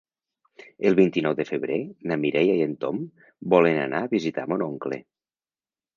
El vint-i-nou de febrer na Mireia i en Tom volen anar a visitar mon oncle.